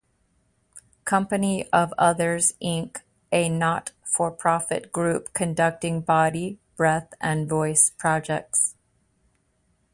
Company of Others Inc a not-for-profit group conducting body, breath and voice projects.